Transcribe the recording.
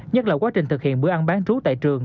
nhất là quá trình thực hiện bữa ăn bán trú tại trường